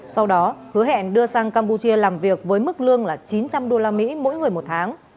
sau đó hứa hẹn đưa sang campuchia làm việc với mức lương là chín trăm linh usd mỗi người một tháng